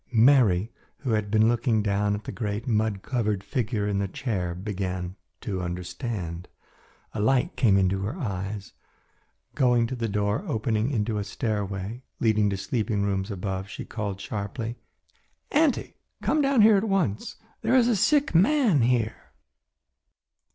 Mary, who had been looking down at the great mud covered figure in the chair began to understand. A light came into her eyes. Going to the door opening into a stairway leading to sleeping rooms above, she called sharply, "Auntie, come down here at once. There is a sick man here."